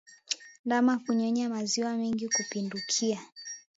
Ndama kunyonya maziwa mengi kupindukia